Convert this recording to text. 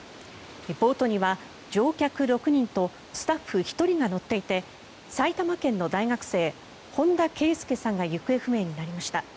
ボートには乗客６人とスタッフ１人が乗っていて埼玉県の大学生、本田啓祐さんが行方不明になりました。